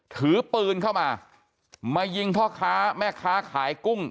ถือปืนเข้ามามายิงพ่อค้าแม่ค้าขายกุ้ง